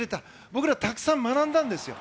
僕ら、たくさん学んだんですよ。